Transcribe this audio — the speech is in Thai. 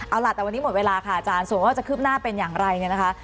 เอาล่ะแต่วันนี้หมดเวลาค่ะอาจารย์ส่วนว่าจะคืบหน้าเป็นอย่างไรเนี่ยนะคะ